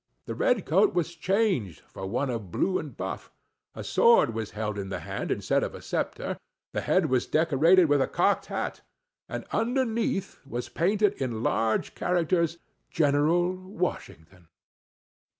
The red coat was changed for one of blue and buff, a sword was held in the hand instead of a sceptre, the head was decorated with a cocked hat, and underneath was painted in large characters, General Washington.